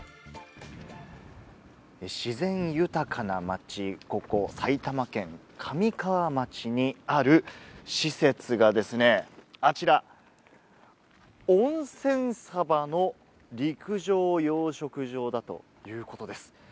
自然豊かな町、ここ埼玉県神川町にある施設がですね、あちら、温泉サバの陸上養殖場だということです。